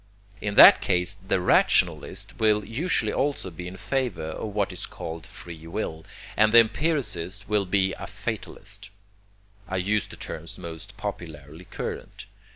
In that case the rationalist will usually also be in favor of what is called free will, and the empiricist will be a fatalist I use the terms most popularly current.